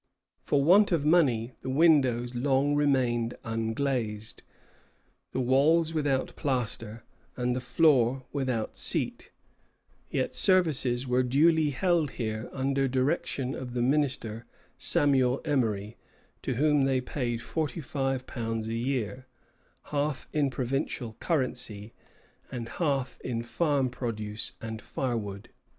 For want of money the windows long remained unglazed, the walls without plaster, and the floor without seats; yet services were duly held here under direction of the minister, Samuel Emery, to whom they paid £45 a year, half in provincial currency, and half in farm produce and fire wood.